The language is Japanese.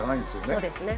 そうですね。